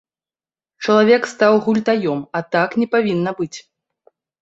Чалавек стаў гультаём, а так не павінна быць.